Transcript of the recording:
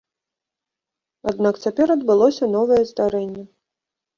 Аднак цяпер адбылося новае здарэнне.